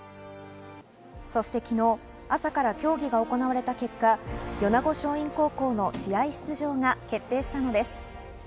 そして昨日、朝から協議が行われた結果、米子松蔭高校の試合出場が決定したのです。